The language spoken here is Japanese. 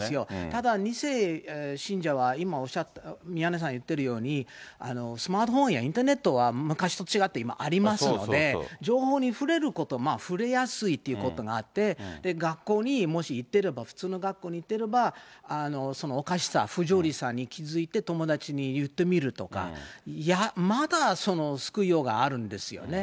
ただ２世信者は今、宮根さん言ってるように、スマートフォンやインターネットは昔と違って今ありますので、情報に触れること、触れやすいということがあって、学校にもし行ってれば、普通の学校に行ってれば、おかしさ、不条理さに気付いて、友達に言ってみるとか、まだその救いようがあるんですよね。